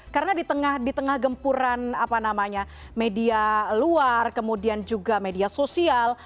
karena di tengah gempuran media luar kemudian juga media sosial